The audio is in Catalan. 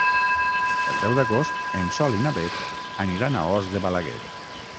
El deu d'agost en Sol i na Beth aniran a Os de Balaguer.